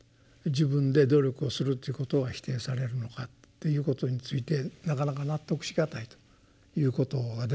自分で努力をするっていうことは否定されるのかということについてなかなか納得しがたいということが出てくると思うんですが。